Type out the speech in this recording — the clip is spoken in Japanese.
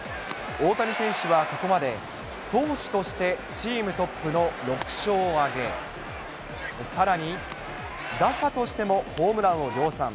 大谷選手はここまで投手としてチームトップの６勝を挙げ、さらに打者としてもホームランを量産。